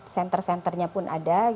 center centernya pun ada